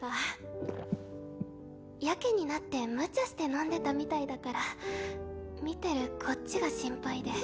ゴクッヤケになってむちゃして飲んでたみたいだから見てるこっちが心配で。